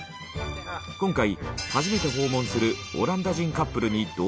今回初めて訪問するオランダ人カップルに同行すると。